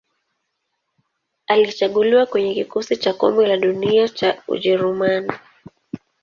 Alichaguliwa kwenye kikosi cha Kombe la Dunia cha Ujerumani.